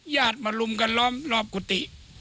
ญาติมาลุมกันรอบกุฏิ